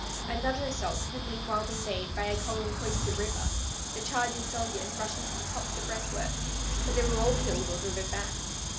Another assault had meanwhile been made by a column close to the river, the charging soldiers rushing to the top of the breastworks; but they were all killed or driven back.